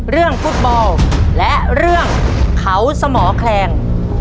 เรื่องฟุตบอลและเรื่องเขาสมอแคลง